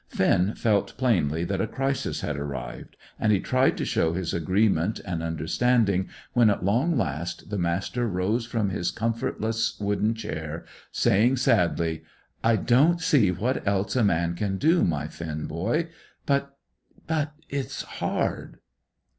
Finn felt plainly that a crisis had arrived, and he tried to show his agreement and understanding, when at long last, the Master rose from his comfortless wooden chair, saying sadly "I don't see what else a man can do, my Finn, boy; but but it's hard."